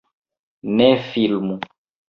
Ne filmu